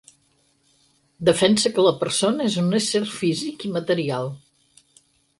Defensa que la persona és un ésser físic i material.